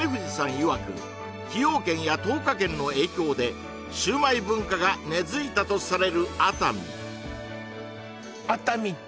いわく崎陽軒や東華軒の影響でシュウマイ文化が根付いたとされる熱海熱海って